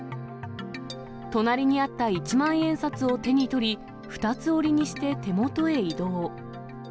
隣にあった一万円札を手に取り、２つ折りにして手元へ移動。